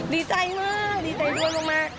ดีใจมากดีใจด้วยมาก